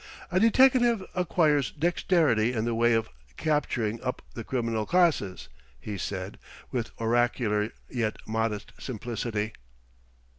"A deteckative acquires dexterity in the way of capturing up the criminal classes," he said with oracular yet modest simplicity.